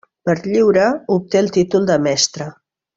Per lliure obté el títol de mestre.